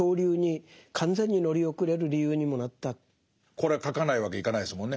これは書かないわけにいかないですもんね。